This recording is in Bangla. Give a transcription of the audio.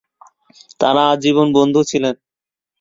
তারা আজীবন বন্ধু ছিলেন।